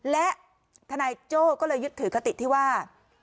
และทนายโจ้ก็เลยยึดถือคติที่ว่า